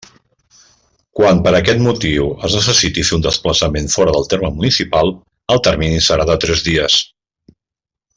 Quan per aquest motiu es necessiti fer un desplaçament fora del terme municipal, el termini serà de tres dies.